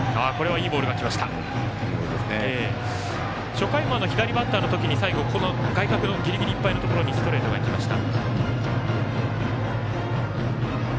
初回も左バッターの時に最後、外角のギリギリいっぱいのところにストレートがいきました。